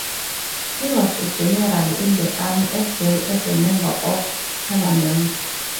He was a General in the Army as well as a Member of Parliament.